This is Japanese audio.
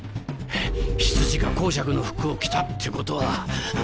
執事が侯爵の服を着たってことは。